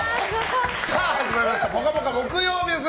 始まりました「ぽかぽか」木曜日です。